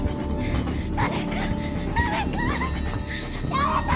誰か！